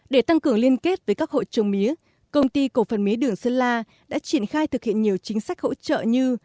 để tăng cường liên kết với các hộ trồng mía công ty cổ phần mía đường sơn la đã triển khai thực hiện nhiều chính sách hỗ trợ như